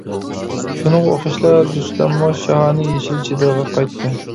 شۇنىڭغا ئوخشاشلا رۇستەممۇ شاھانە يېشىل چېدىرىغا قايتتى.